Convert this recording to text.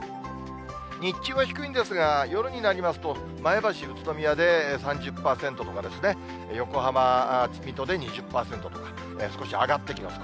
日中は低いんですが、夜になりますと、前橋、宇都宮で３０％とかですね、横浜、水戸で２０％とか、少し上がってきます。